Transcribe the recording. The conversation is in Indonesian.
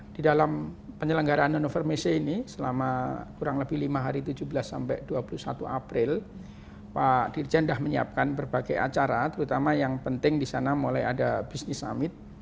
di dalam penyelenggaraan hannover messe ini selama kurang lebih lima hari tujuh belas sampai dua puluh satu april pak dirjen sudah menyiapkan berbagai acara terutama yang penting di sana mulai ada business summit